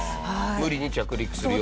無理に着陸するより。